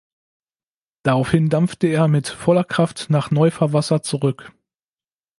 Daraufhin dampfte er mit voller Kraft nach Neufahrwasser zurück.